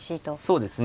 そうですね。